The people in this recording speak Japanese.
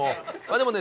でもね